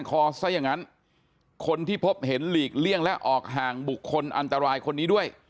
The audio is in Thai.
ซะอย่างนั้นคนที่พบเห็นหลีกเลี่ยงและออกห่างบุคคลอันตรายคนนี้ด้วย